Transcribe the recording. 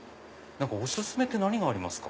お薦めって何がありますか？